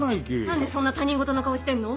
何でそんな他人ごとの顔してんの？